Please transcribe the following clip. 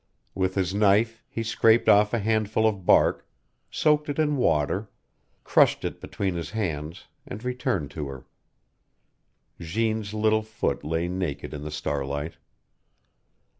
With his knife he scraped off a handful of bark, soaked it in water, crushed it between his hands, and returned to her. Jeanne's little foot lay naked in the starlight.